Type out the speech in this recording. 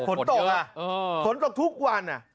ฝนตกอ่ะฝนตกทุกวัน